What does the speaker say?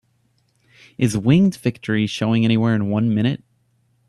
Is Winged Victory showing anywhere in one minute?